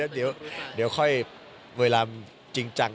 เดี๋ยวค่อยเวลาจริงจัง